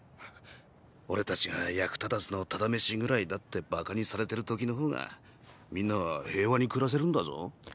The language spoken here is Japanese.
オレたちが役立たずの「タダメシ食らい」だってバカにされてる時の方がみんなは平和に暮らせるんだぞ？